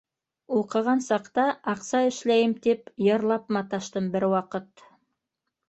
Уҡыған саҡта аҡса эшләйем тип, йырлап маташтым бер ваҡыт.